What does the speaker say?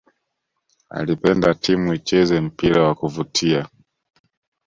alipenda timu icheze mpira wa kuvutia